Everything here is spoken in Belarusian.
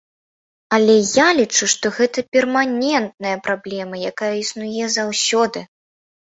Але я лічу, што гэта перманентная праблема, якая існуе заўсёды.